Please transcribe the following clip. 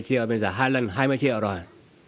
một mươi triệu mình giả hai lần hai mươi triệu rồi